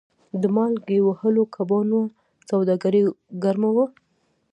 د مالګې وهلو کبانو سوداګري ګرمه وه.